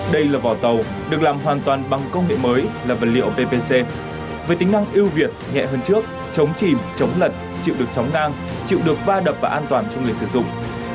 đây là vỏ tàu được làm hoàn toàn bằng công nghệ mới là vật liệu ppc với tính năng ưu việt nhẹ hơn trước chống chìm chống lật chịu được sóng nang chịu được va đập và an toàn cho người sử dụng